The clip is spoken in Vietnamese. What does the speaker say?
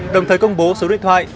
đồng thời công bố số điện thoại